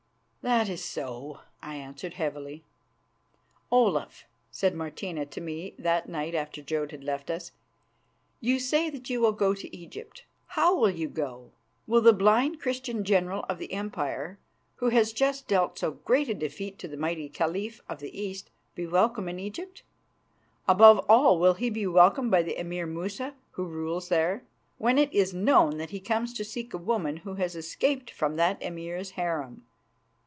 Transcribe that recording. "That is so," I answered heavily. "Olaf," said Martina to me that night after Jodd had left us, "you say that you will go to Egypt. How will you go? Will the blind Christian general of the Empire, who has just dealt so great a defeat to the mighty Caliph of the East, be welcome in Egypt? Above all, will he be welcomed by the Emir Musa, who rules there, when it is known that he comes to seek a woman who has escaped from that Emir's harem?